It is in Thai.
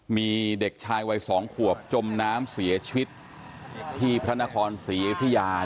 มีเด็กชายวัย๒ขวบจมน้ำเสียชีวิตที่พระนครศรีอยุธยา